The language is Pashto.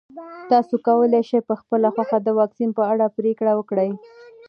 تاسو کولی شئ په خپله خوښه د واکسین په اړه پرېکړه وکړئ.